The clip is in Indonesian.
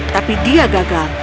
tapi dia gagal